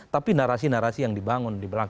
tapi narasi narasi yang dibangun di belakang